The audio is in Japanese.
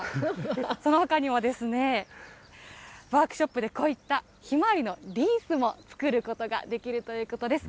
そのほかにも、ワークショップでこういったヒマワリのリースも作ることができるということです。